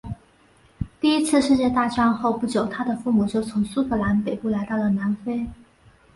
第一次世界大战后不久他的父母就从苏格兰北部来到了南非。